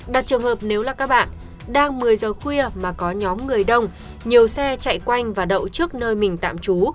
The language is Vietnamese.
đặt trường hợp nếu là các bạn đang một mươi giờ khuya mà có nhóm người đông nhiều xe chạy quanh và đậu trước nơi mình tạm trú